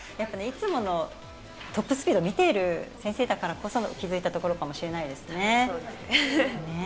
いつものトップスピードを見ている先生だからこそ、気づいたことかもしれないですね。